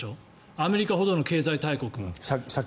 アメリカほどの経済大国が。